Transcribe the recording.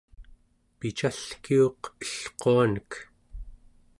picalkiuq elquanek